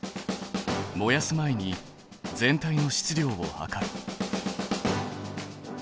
燃やす前に全体の質量を量る。